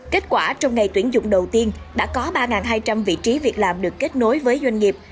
kết quả trong ngày tuyển dụng đầu tiên đã có ba hai trăm linh vị trí việc làm được kết nối với doanh nghiệp